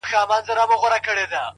هره ناکامي د پوهې سرچینه ده،